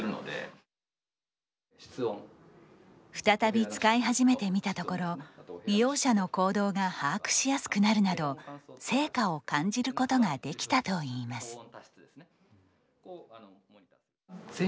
再び使い始めてみたところ利用者の行動が把握しやすくなるなど成果を感じることができたといいます。